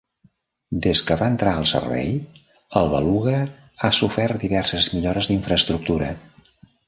Des que va entrar al servei, El Beluga ha sofert diverses millores d'infraestructura.